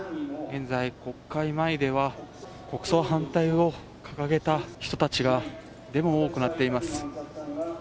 現在、国会前では国葬反対を掲げた人たちがデモを行っています。